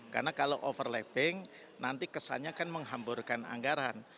karena kalau overlapping nanti kesannya kan menghamburkan anggaran